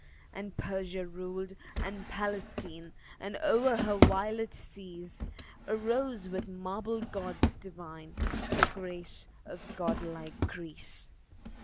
And Persia ruled and Palestine; And o'er her violet seas Arose, with marble gods divine, The grace of god like Greece.